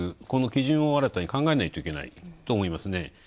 この基準を新たに考えないといけないと思いますね。